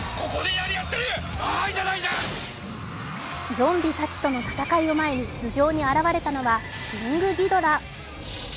ゾンビたちとの戦いを前に頭上に現れたのはキングギドラ。